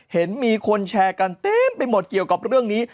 เห็นมีคนแชร์กันเต็มไปหมดเกี่ยวกับเรื่องนี้